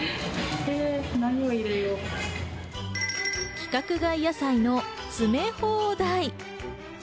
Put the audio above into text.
規格外野菜の詰め放題。